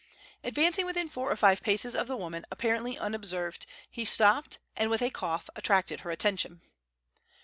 Advancing within four or five paces of the woman, apparently unobserved, he stopped, and with a cough attracted her attention.